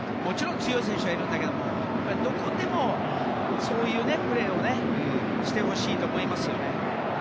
もちろん強い選手もいるけどどこでもそういうプレーをしてほしいと思いますよね。